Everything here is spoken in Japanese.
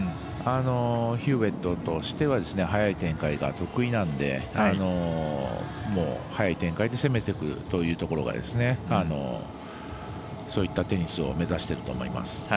ヒューウェットとしては早い展開が得意なのでもう、早い展開で攻めてくるというところがそういったテニスを目指してると思います。